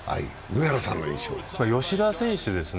吉田選手ですね。